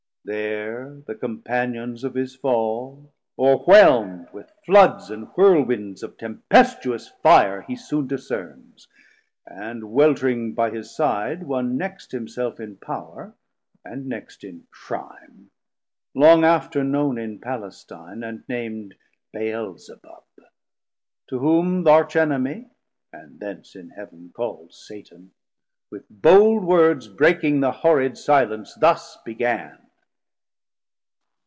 There the companions of his fall, o'rewhelm'd With Floods and Whirlwinds of tempestuous fire, He soon discerns, and weltring by his side One next himself in power, and next in crime, Long after known in Palestine, and nam'd 80 Beelzebub. To whom th' Arch Enemy, And thence in Heav'n call'd Satan, with bold words Breaking the horrid silence thus began.